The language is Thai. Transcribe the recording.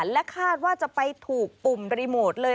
และคาดว่าจะไปถูกปุ่มรีโมทเลย